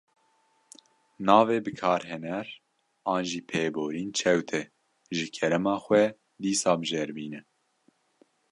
Navê bikarhêner an jî pêborîn çewt e, ji kerema xwe dîsa biceribîne.